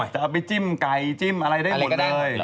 จะเอาไปจิ้มไก่เจ็มอะไรได้เลย